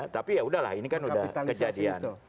tapi ya udahlah ini kan sudah kejadian